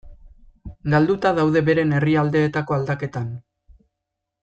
Galduta daude beren herrialdeetako aldaketan.